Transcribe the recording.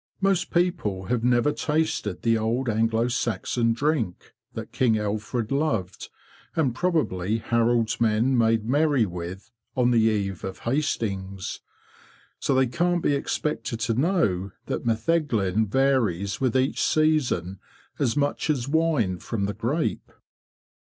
Most people have never tasted the old Anglo Saxon drink that King Alfred loved, and probably Harold's men made merry with on the eve of Hastings. So they can't be expected to know that metheglin varies with each season as much as wine from the grape."